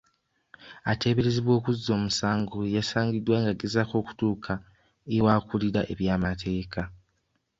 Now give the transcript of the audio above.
Ateeberezebwa okuzza omusango yasangiddwa ng'agezaako okutuuka ew'akulira eby'amateeka